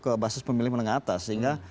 ke basis pemilih menengah atas sehingga